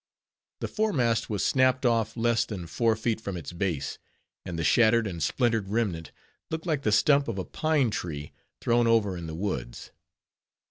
The foremast was snapt off less than four feet from its base; and the shattered and splintered remnant looked like the stump of a pine tree thrown over in the woods.